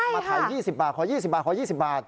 มาถ่าย๒๐บาทขอ๒๐บาทขอ๒๐บาท